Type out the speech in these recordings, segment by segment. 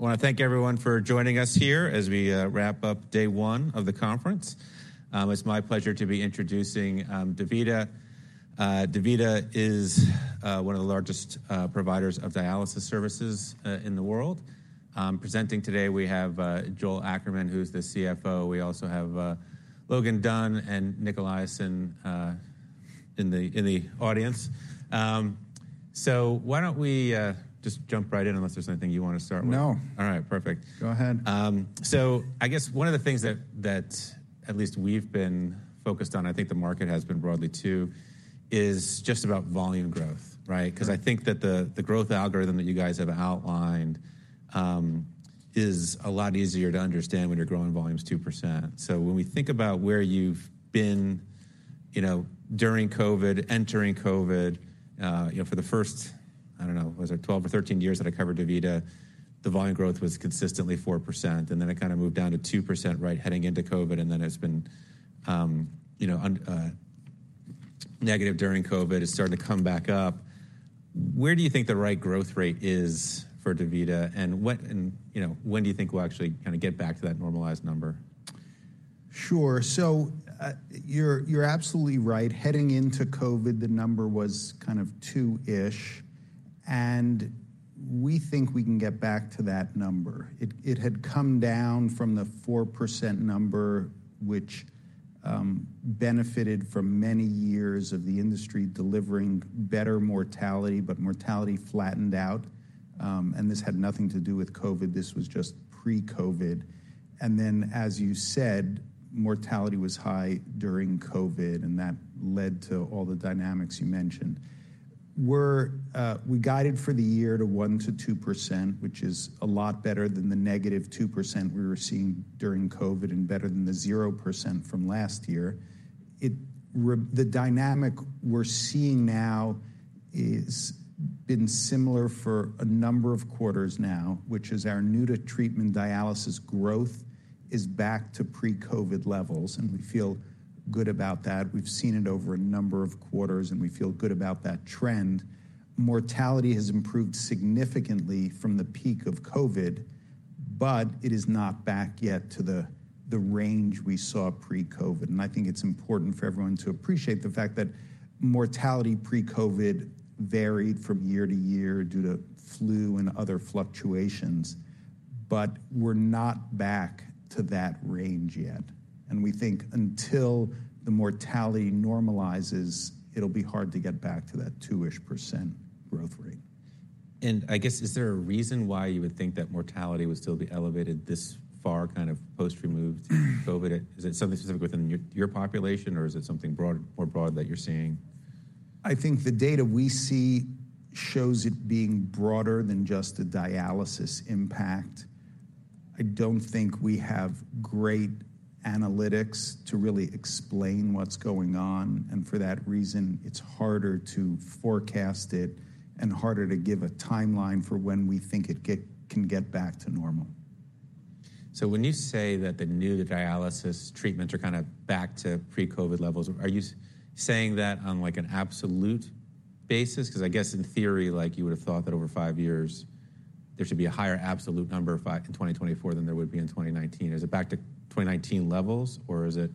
I want to thank everyone for joining us here as we wrap up day one of the conference. It's my pleasure to be introducing DaVita. DaVita is one of the largest providers of dialysis services in the world. Presenting today, we have Joel Ackerman, who's the CFO. We also have Logan Dunn and Nic Eliason in the audience. So why don't we just jump right in unless there's anything you want to start with? No. All right. Perfect. Go ahead. So I guess one of the things that at least we've been focused on, I think the market has been broadly too, is just about volume growth, right? Because I think that the growth algorithm that you guys have outlined is a lot easier to understand when you're growing volumes 2%. So when we think about where you've been during COVID, entering COVID, for the first, I don't know, was it 12 or 13 years that I covered DaVita, the volume growth was consistently 4%. And then it kind of moved down to 2%, right, heading into COVID. And then it's been negative during COVID. It's starting to come back up. Where do you think the right growth rate is for DaVita? And when do you think we'll actually kind of get back to that normalized number? Sure. So you're absolutely right. Heading into COVID, the number was kind of 2-ish. And we think we can get back to that number. It had come down from the 4% number, which benefited from many years of the industry delivering better mortality, but mortality flattened out. And this had nothing to do with COVID. This was just pre-COVID. And then, as you said, mortality was high during COVID. And that led to all the dynamics you mentioned. We guided for the year to 1%-2%, which is a lot better than the -2% we were seeing during COVID and better than the 0% from last year. The dynamic we're seeing now has been similar for a number of quarters now, which is our new-to-treatment dialysis growth is back to pre-COVID levels. And we feel good about that. We've seen it over a number of quarters. We feel good about that trend. Mortality has improved significantly from the peak of COVID. But it is not back yet to the range we saw pre-COVID. And I think it's important for everyone to appreciate the fact that mortality pre-COVID varied from year to year due to flu and other fluctuations. But we're not back to that range yet. And we think until the mortality normalizes, it'll be hard to get back to that 2%-ish growth rate. I guess, is there a reason why you would think that mortality would still be elevated this far kind of post-removed COVID? Is it something specific within your population? Or is it something more broad that you're seeing? I think the data we see shows it being broader than just the dialysis impact. I don't think we have great analytics to really explain what's going on. For that reason, it's harder to forecast it and harder to give a timeline for when we think it can get back to normal. So when you say that the new-to-dialysis treatments are kind of back to pre-COVID levels, are you saying that on an absolute basis? Because I guess, in theory, you would have thought that over five years, there should be a higher absolute number in 2024 than there would be in 2019. Is it back to 2019 levels? Or is it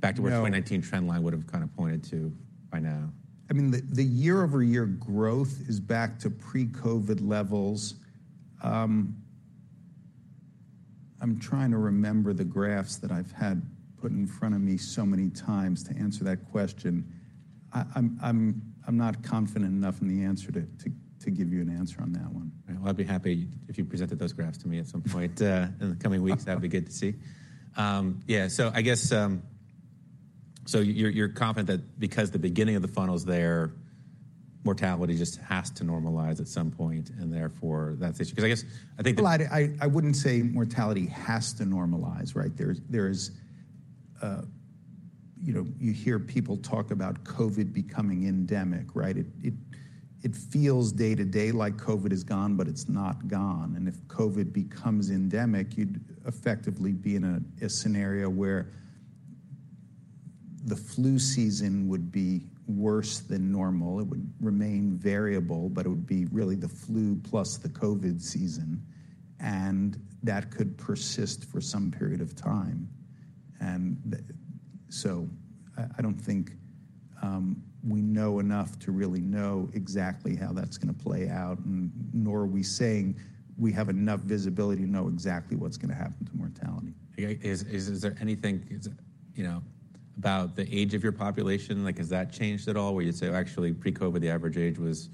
back to where the 2019 trend line would have kind of pointed to by now? I mean, the year-over-year growth is back to pre-COVID levels. I'm trying to remember the graphs that I've had put in front of me so many times to answer that question. I'm not confident enough in the answer to give you an answer on that one. Well, I'd be happy if you presented those graphs to me at some point in the coming weeks. That'd be good to see. Yeah. So I guess, so you're confident that because the beginning of the funnel is there, mortality just has to normalize at some point. And therefore, that's the issue. Because I guess, I think that. Well, I wouldn't say mortality has to normalize, right? You hear people talk about COVID becoming endemic, right? It feels day to day like COVID is gone. But it's not gone. And if COVID becomes endemic, you'd effectively be in a scenario where the flu season would be worse than normal. It would remain variable. But it would be really the flu plus the COVID season. And that could persist for some period of time. And so I don't think we know enough to really know exactly how that's going to play out. Nor are we saying we have enough visibility to know exactly what's going to happen to mortality. Is there anything about the age of your population? Has that changed at all? Where you'd say, actually, pre-COVID, the average age was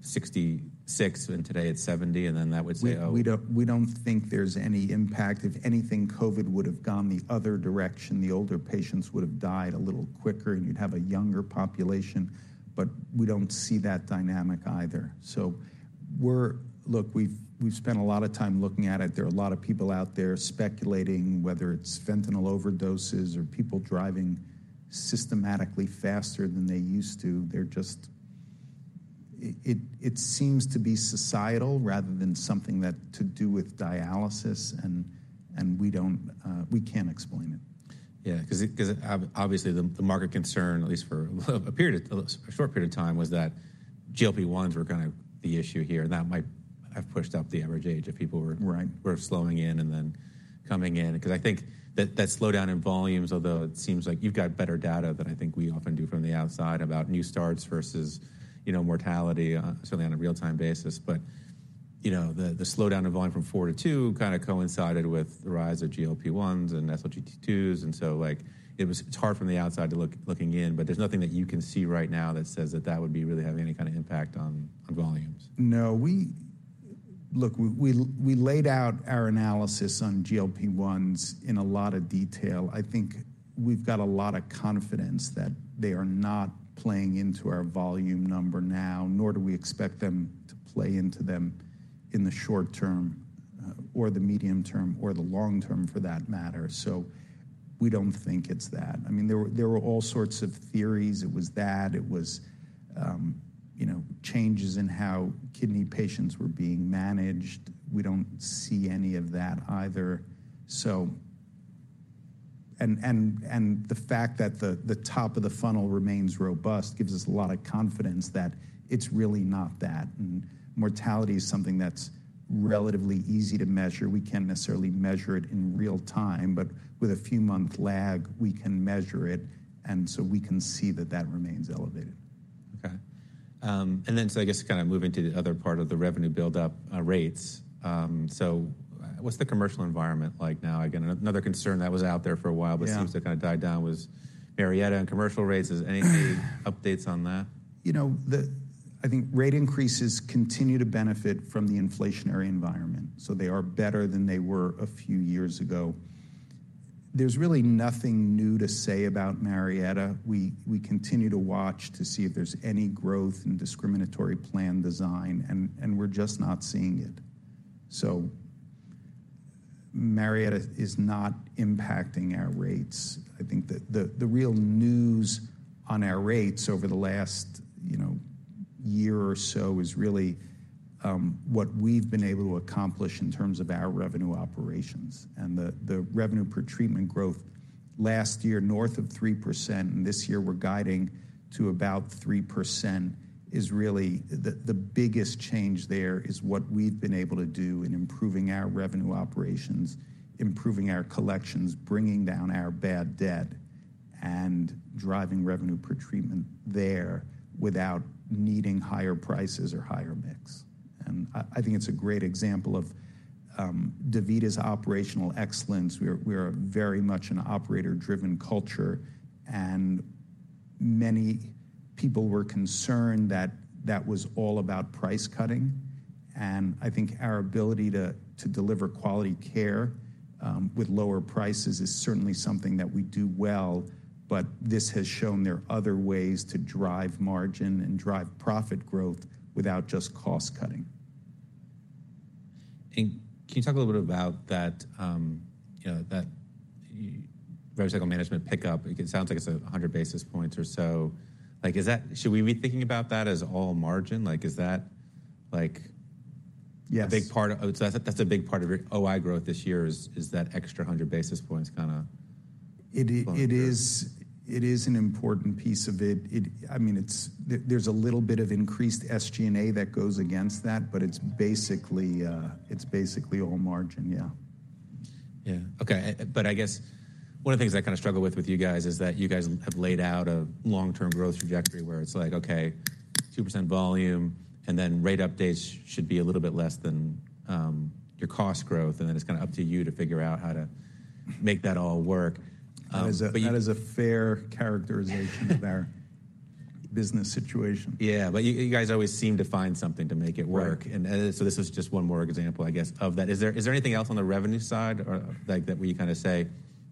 66. And then that would say, oh. We don't think there's any impact. If anything, COVID would have gone the other direction. The older patients would have died a little quicker. And you'd have a younger population. But we don't see that dynamic either. So look, we've spent a lot of time looking at it. There are a lot of people out there speculating, whether it's fentanyl overdoses or people driving systematically faster than they used to. It seems to be societal rather than something that has to do with dialysis. And we can't explain it. Yeah. Because obviously, the market concern, at least for a short period of time, was that GLP-1s were kind of the issue here. And that might have pushed up the average age if people were slowing in and then coming in. Because I think that slowdown in volumes, although it seems like you've got better data than I think we often do from the outside about new starts versus mortality, certainly on a real-time basis. But the slowdown in volume from 4%-2% kind of coincided with the rise of GLP-1s and SGLT2s. And so it's hard from the outside looking in. But there's nothing that you can see right now that says that that would be really having any kind of impact on volumes. No. Look, we laid out our analysis on GLP-1s in a lot of detail. I think we've got a lot of confidence that they are not playing into our volume number now. Nor do we expect them to play into them in the short term or the medium term or the long term, for that matter. So we don't think it's that. I mean, there were all sorts of theories. It was that. It was changes in how kidney patients were being managed. We don't see any of that either. And the fact that the top of the funnel remains robust gives us a lot of confidence that it's really not that. And mortality is something that's relatively easy to measure. We can't necessarily measure it in real time. But with a few-month lag, we can measure it. And so we can see that that remains elevated. OK. And then so I guess kind of moving to the other part of the revenue buildup rates. So what's the commercial environment like now again? Another concern that was out there for a while, but seems to have kind of died down, was Marietta and commercial rates. Is there any updates on that? You know. I think rate increases continue to benefit from the inflationary environment. So they are better than they were a few years ago. There's really nothing new to say about Marietta. We continue to watch to see if there's any growth in discriminatory plan design. And we're just not seeing it. So Marietta is not impacting our rates. I think the real news on our rates over the last year or so is really what we've been able to accomplish in terms of our revenue operations. And the revenue per treatment growth last year, north of 3%, and this year we're guiding to about 3%, is really the biggest change there is what we've been able to do in improving our revenue operations, improving our collections, bringing down our bad debt, and driving revenue per treatment there without needing higher prices or higher mix. I think it's a great example of DaVita's operational excellence. We are very much an operator-driven culture. Many people were concerned that that was all about price cutting. And I think our ability to deliver quality care with lower prices is certainly something that we do well. This has shown there are other ways to drive margin and drive profit growth without just cost cutting. Can you talk a little bit about that revenue cycle management pickup? It sounds like it's 100 basis points or so. Should we be thinking about that as all margin? Is that a big part of your OI growth this year, is that extra 100 basis points kind of? It is an important piece of it. I mean, there's a little bit of increased SG&A that goes against that. But it's basically all margin, yeah. Yeah. OK. But I guess one of the things I kind of struggle with with you guys is that you guys have laid out a long-term growth trajectory where it's like, OK, 2% volume. And then rate updates should be a little bit less than your cost growth. And then it's kind of up to you to figure out how to make that all work. That is a fair characterization of our business situation. Yeah. But you guys always seem to find something to make it work. And so this is just one more example, I guess, of that. Is there anything else on the revenue side that where you kind of say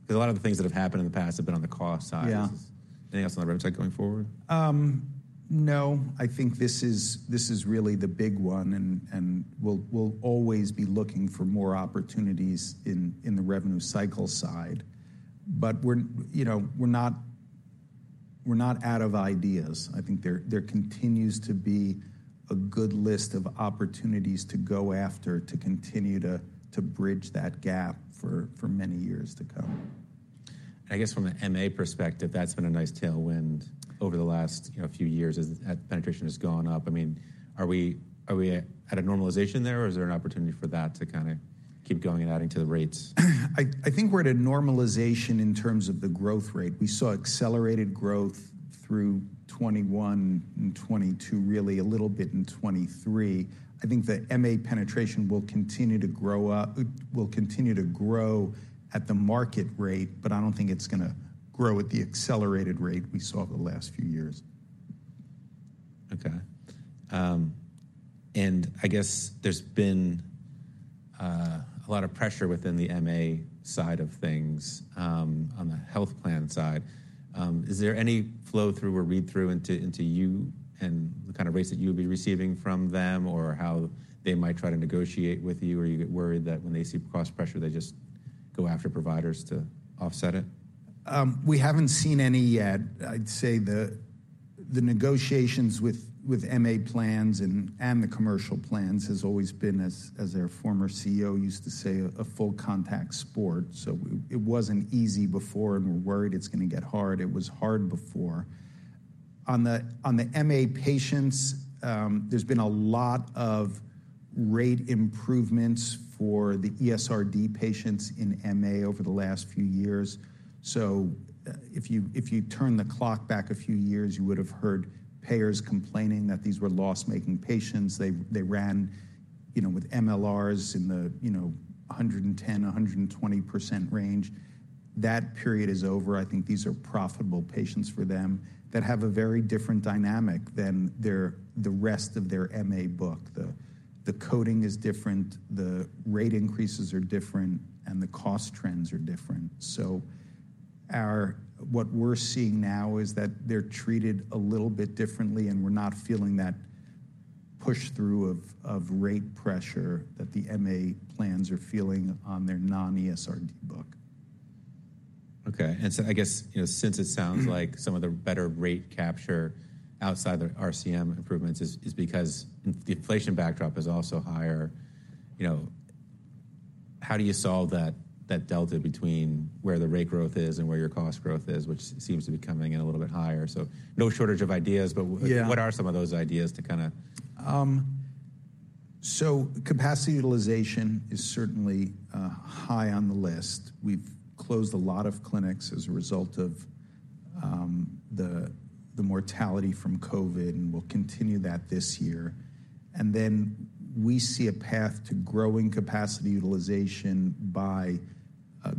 because a lot of the things that have happened in the past have been on the cost side? Anything else on the revenue side going forward? No. I think this is really the big one. And we'll always be looking for more opportunities in the revenue cycle side. But we're not out of ideas. I think there continues to be a good list of opportunities to go after to continue to bridge that gap for many years to come. I guess from the MA perspective, that's been a nice tailwind over the last few years as penetration has gone up. I mean, are we at a normalization there? Or is there an opportunity for that to kind of keep going and adding to the rates? I think we're at a normalization in terms of the growth rate. We saw accelerated growth through 2021 and 2022, really a little bit in 2023. I think the MA penetration will continue to grow at the market rate. But I don't think it's going to grow at the accelerated rate we saw over the last few years. OK. And I guess there's been a lot of pressure within the MA side of things on the health plan side. Is there any flow-through or read-through into you and the kind of rates that you would be receiving from them? Or how they might try to negotiate with you? Or are you worried that when they see cross-pressure, they just go after providers to offset it? We haven't seen any yet. I'd say the negotiations with MA plans and the commercial plans has always been, as their former CEO used to say, a full-contact sport. So it wasn't easy before. And we're worried it's going to get hard. It was hard before. On the MA patients, there's been a lot of rate improvements for the ESRD patients in MA over the last few years. So if you turn the clock back a few years, you would have heard payers complaining that these were loss-making patients. They ran with MLRs in the 110%-120% range. That period is over. I think these are profitable patients for them that have a very different dynamic than the rest of their MA book. The coding is different. The rate increases are different. And the cost trends are different. What we're seeing now is that they're treated a little bit differently. We're not feeling that push-through of rate pressure that the MA plans are feeling on their non-ESRD book. OK. And so I guess, since it sounds like some of the better rate capture outside the RCM improvements is because the inflation backdrop is also higher, how do you solve that delta between where the rate growth is and where your cost growth is, which seems to be coming in a little bit higher? So no shortage of ideas. But what are some of those ideas to kind of. So capacity utilization is certainly high on the list. We've closed a lot of clinics as a result of the mortality from COVID. We'll continue that this year. Then we see a path to growing capacity utilization by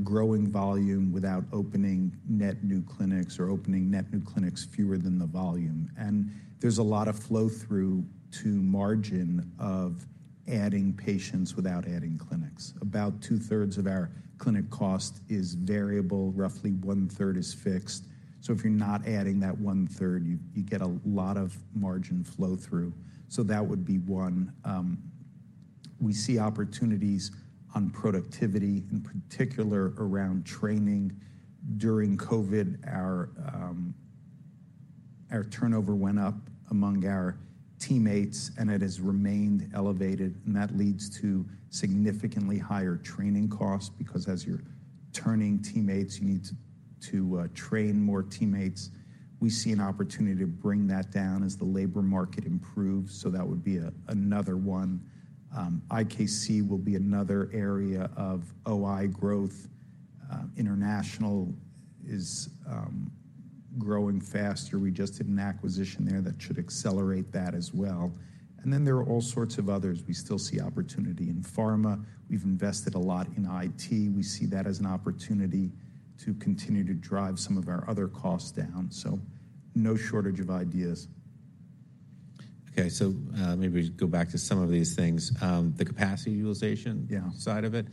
growing volume without opening net new clinics or opening net new clinics fewer than the volume. There's a lot of flow-through to margin of adding patients without adding clinics. About two-thirds of our clinic cost is variable. Roughly one-third is fixed. If you're not adding that 1/3, you get a lot of margin flow-through. That would be one. We see opportunities on productivity, in particular around training. During COVID, our turnover went up among our teammates. It has remained elevated. That leads to significantly higher training costs. Because as you're turning teammates, you need to train more teammates. We see an opportunity to bring that down as the labor market improves. So that would be another one. IKC will be another area of OI growth. International is growing faster. We just did an acquisition there that should accelerate that as well. And then there are all sorts of others. We still see opportunity in pharma. We've invested a lot in IT. We see that as an opportunity to continue to drive some of our other costs down. So no shortage of ideas. OK. Maybe we go back to some of these things. The capacity utilization side of it,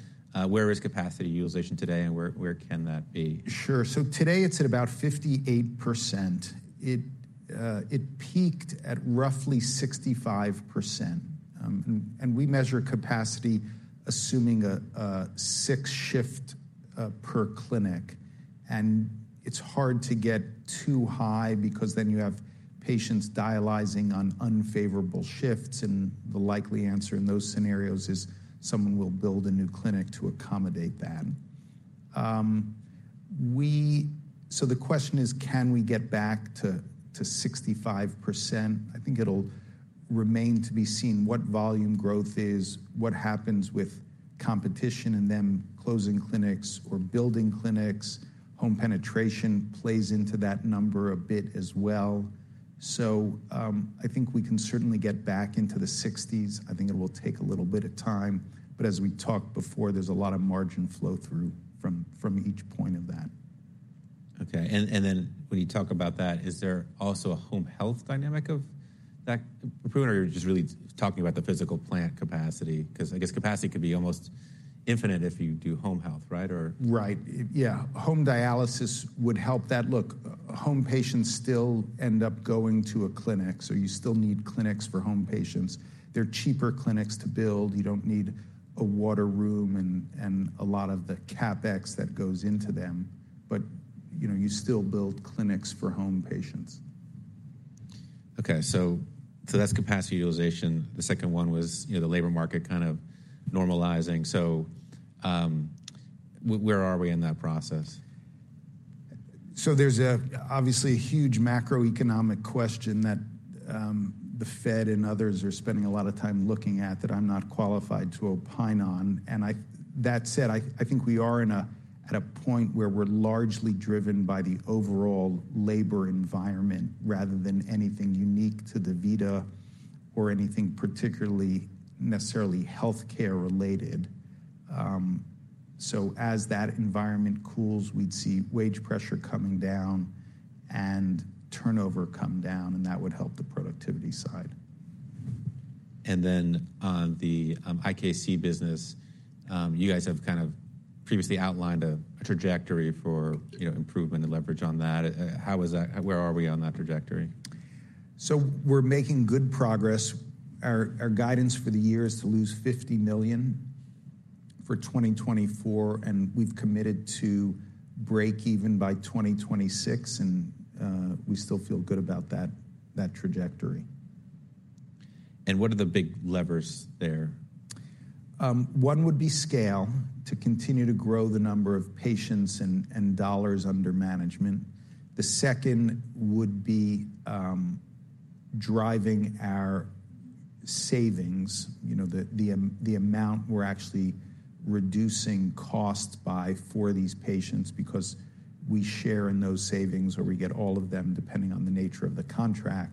where is capacity utilization today? Where can that be? Sure. So today, it's at about 58%. It peaked at roughly 65%. And we measure capacity assuming a six-shift per clinic. And it's hard to get too high because then you have patients dialyzing on unfavorable shifts. And the likely answer in those scenarios is someone will build a new clinic to accommodate that. So the question is, can we get back to 65%? I think it'll remain to be seen what volume growth is, what happens with competition, and then closing clinics or building clinics. Home penetration plays into that number a bit as well. So I think we can certainly get back into the 60s. I think it will take a little bit of time. But as we talked before, there's a lot of margin flow-through from each point of that. OK. And then when you talk about that, is there also a home health dynamic of that improvement? Or are you just really talking about the physical plant capacity? Because I guess capacity could be almost infinite if you do home health, right? Right. Yeah. Home dialysis would help that. Look, home patients still end up going to a clinic. So you still need clinics for home patients. They're cheaper clinics to build. You don't need a water room and a lot of the CapEx that goes into them. But you still build clinics for home patients. OK. That's capacity utilization. The second one was the labor market kind of normalizing. Where are we in that process? So there's obviously a huge macroeconomic question that the Fed and others are spending a lot of time looking at that I'm not qualified to opine on. That said, I think we are at a point where we're largely driven by the overall labor environment rather than anything unique to DaVita or anything particularly necessarily health care related. So as that environment cools, we'd see wage pressure coming down and turnover come down. And that would help the productivity side. And then on the IKC business, you guys have kind of previously outlined a trajectory for improvement and leverage on that. Where are we on that trajectory? We're making good progress. Our guidance for the year is to lose $50 million for 2024. We've committed to break even by 2026. We still feel good about that trajectory. What are the big levers there? One would be scale to continue to grow the number of patients and dollars under management. The second would be driving our savings, the amount we're actually reducing costs by for these patients because we share in those savings, or we get all of them depending on the nature of the contract.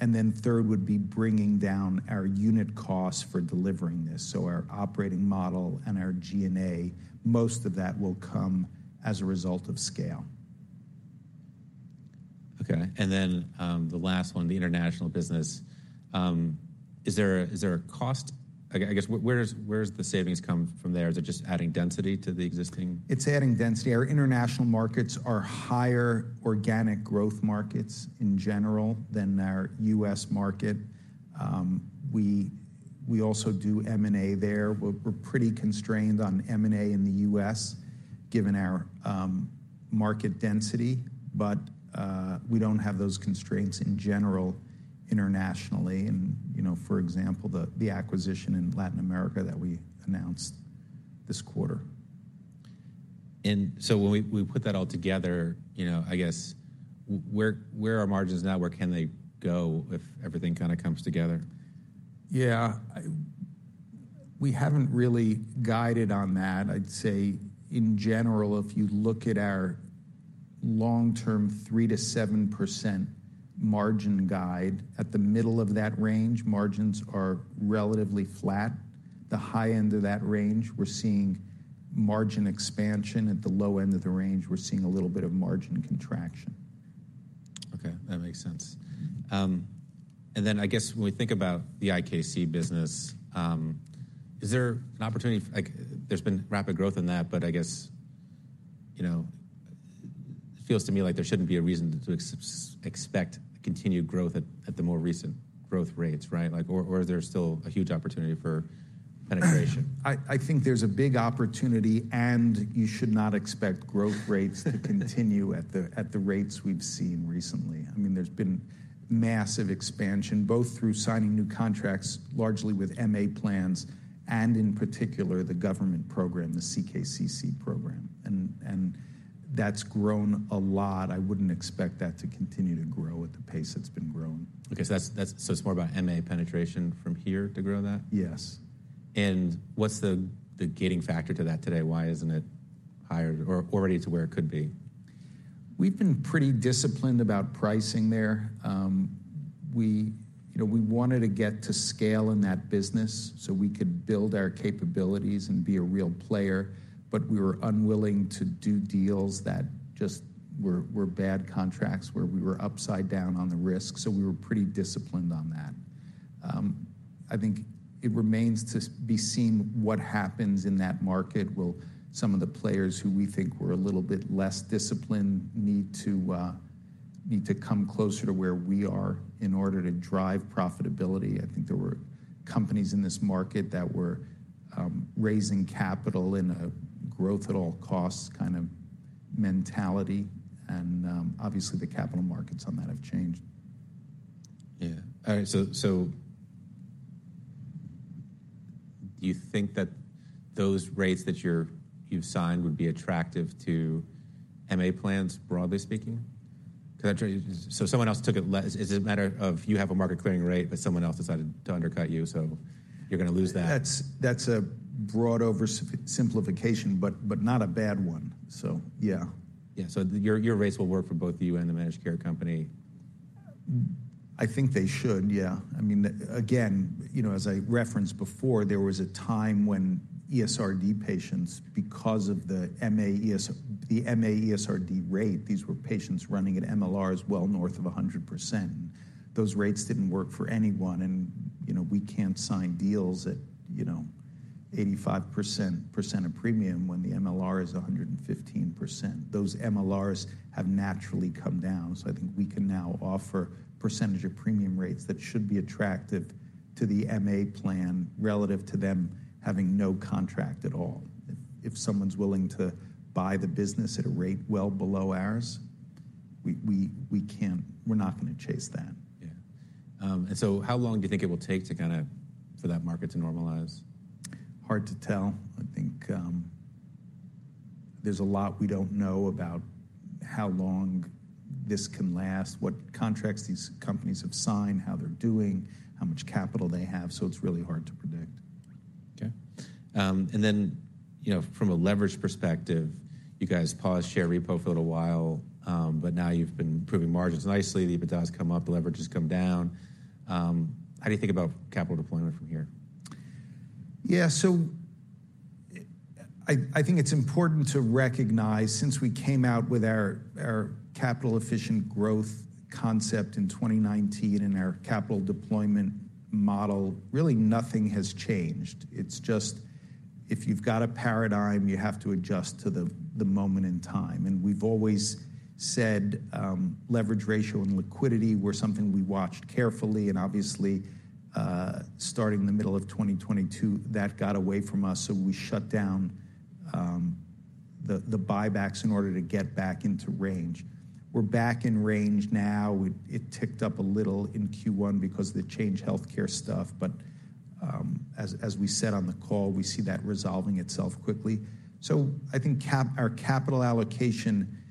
And then third would be bringing down our unit costs for delivering this. So our operating model and our G&A, most of that will come as a result of scale. OK. And then the last one, the international business, is there a cost I guess, where does the savings come from there? Is it just adding density to the existing? It's adding density. Our international markets are higher organic growth markets in general than our U.S. market. We also do M&A there. We're pretty constrained on M&A in the U.S. given our market density. But we don't have those constraints in general internationally. For example, the acquisition in Latin America that we announced this quarter. And so when we put that all together, I guess, where are our margins now? Where can they go if everything kind of comes together? Yeah. We haven't really guided on that. I'd say, in general, if you look at our long-term 3%-7% margin guide, at the middle of that range, margins are relatively flat. The high end of that range, we're seeing margin expansion. At the low end of the range, we're seeing a little bit of margin contraction. OK. That makes sense. And then I guess when we think about the IKC business, is there an opportunity? There's been rapid growth in that. But I guess it feels to me like there shouldn't be a reason to expect continued growth at the more recent growth rates, right? Or is there still a huge opportunity for penetration? I think there's a big opportunity. You should not expect growth rates to continue at the rates we've seen recently. I mean, there's been massive expansion both through signing new contracts, largely with MA plans, and in particular the government program, the CKCC program. That's grown a lot. I wouldn't expect that to continue to grow at the pace it's been growing. OK. So it's more about MA penetration from here to grow that? Yes. What's the gating factor to that today? Why isn't it higher already to where it could be? We've been pretty disciplined about pricing there. We wanted to get to scale in that business so we could build our capabilities and be a real player. But we were unwilling to do deals that just were bad contracts, where we were upside down on the risk. So we were pretty disciplined on that. I think it remains to be seen what happens in that market. Will some of the players who we think were a little bit less disciplined need to come closer to where we are in order to drive profitability? I think there were companies in this market that were raising capital in a growth-at-all-costs kind of mentality. And obviously, the capital markets on that have changed. Yeah. All right. So do you think that those rates that you've signed would be attractive to MA plans, broadly speaking? So someone else took it. Is it a matter of you have a market clearing rate, but someone else decided to undercut you? So you're going to lose that? That's a broad oversimplification, but not a bad one. So yeah. Yeah. So your rates will work for both you and the managed care company? I think they should. Yeah. I mean, again, as I referenced before, there was a time when ESRD patients, because of the MA ESRD rate, these were patients running at MLRs well north of 100%. Those rates didn't work for anyone. And we can't sign deals at 85% of premium when the MLR is 115%. Those MLRs have naturally come down. So I think we can now offer percentage of premium rates that should be attractive to the MA plan relative to them having no contract at all. If someone's willing to buy the business at a rate well below ours, we're not going to chase that. Yeah. And so how long do you think it will take for that market to normalize? Hard to tell. I think there's a lot we don't know about how long this can last, what contracts these companies have signed, how they're doing, how much capital they have. So it's really hard to predict. OK. And then from a leverage perspective, you guys paused share repurchase a while. But now you've been improving margins nicely. The EBITDA has come up. The leverage has come down. How do you think about capital deployment from here? Yeah. So I think it's important to recognize, since we came out with our capital-efficient growth concept in 2019 and our capital deployment model, really nothing has changed. It's just if you've got a paradigm, you have to adjust to the moment in time. And we've always said leverage ratio and liquidity were something we watched carefully. And obviously, starting the middle of 2022, that got away from us. So we shut down the buybacks in order to get back into range. We're back in range now. It ticked up a little in Q1 because of the Change Healthcare stuff. But as we said on the call, we see that resolving itself quickly. So I think our capital allocation strategy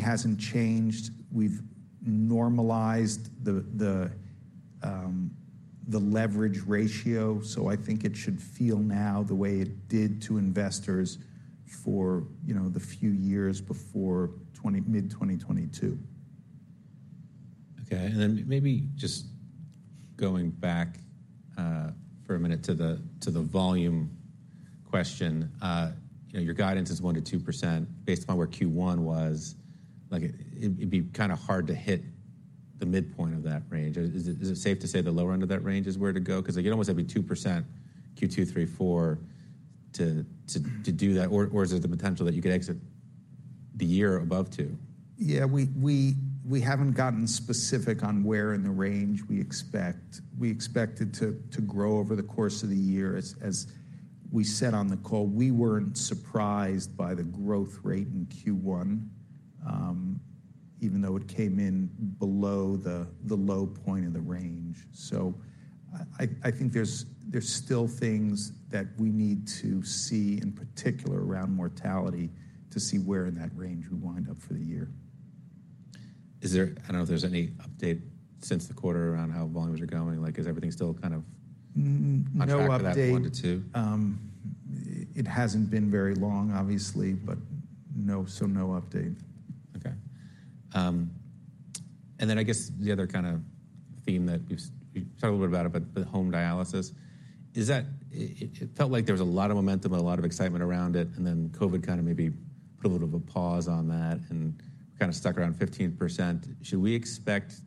hasn't changed. We've normalized the leverage ratio. So I think it should feel now the way it did to investors for the few years before mid-2022. OK. And then maybe just going back for a minute to the volume question, your guidance is 1%-2%. Based on where Q1 was, it'd be kind of hard to hit the midpoint of that range. Is it safe to say the lower end of that range is where to go? Because you'd almost have to be 2% Q2, Q3, Q4 to do that. Or is there the potential that you could exit the year above 2%? Yeah. We haven't gotten specific on where in the range we expect. We expect it to grow over the course of the year. As we said on the call, we weren't surprised by the growth rate in Q1, even though it came in below the low point in the range. So I think there's still things that we need to see, in particular around mortality, to see where in that range we wind up for the year. I don't know if there's any update since the quarter around how volumes are going. Is everything still kind of knocked out at 1%-2%? It hasn't been very long, obviously. But so no update. OK. And then I guess the other kind of theme that we've talked a little bit about, but home dialysis, it felt like there was a lot of momentum and a lot of excitement around it. And then COVID kind of maybe put a little bit of a pause on that. And we kind of stuck around 15%. Should we expect,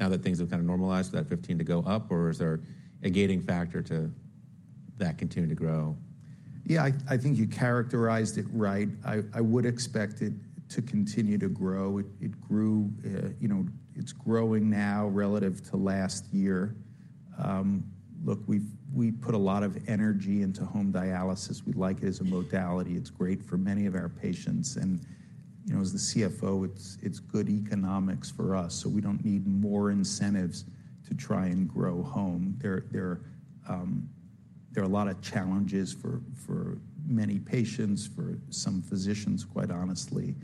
now that things have kind of normalized, for that 15% to go up? Or is there a gating factor to that continuing to grow? Yeah. I think you characterized it right. I would expect it to continue to grow. It's growing now relative to last year. Look, we put a lot of energy into home dialysis. We like it as a modality. It's great for many of our patients. And as the CFO, it's good economics for us. So we don't need more incentives to try and grow home. There are a lot of challenges for many patients, for some physicians, quite honestly.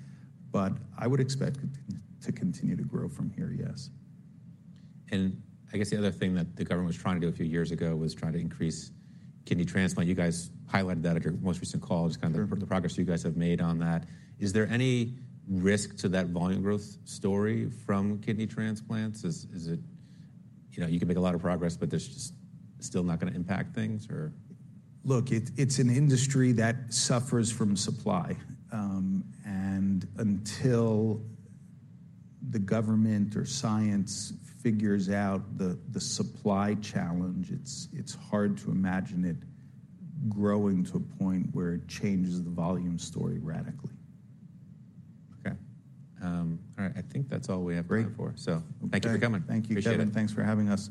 But I would expect it to continue to grow from here, yes. I guess the other thing that the government was trying to do a few years ago was trying to increase kidney transplant. You guys highlighted that at your most recent call, just kind of the progress you guys have made on that. Is there any risk to that volume growth story from kidney transplants? You can make a lot of progress, but there's just still not going to impact things. Look, it's an industry that suffers from supply. Until the government or science figures out the supply challenge, it's hard to imagine it growing to a point where it changes the volume story radically. Okay. All right. I think that's all we have time for. So thank you for coming. Thank you, Kevin. Thanks for having us.